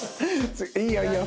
いいよいいよ。